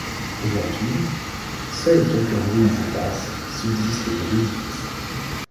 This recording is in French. Aujourd'hui, seules quelques ruines éparses subsistent de l'édifice.